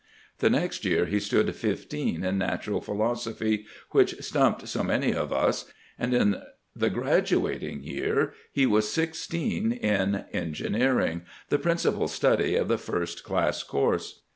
The next year he stood fifteen in natural philoso phy, which stumped so many of us, and in the graduat ing year he was sixteen in engineering, the principal study in the first class course.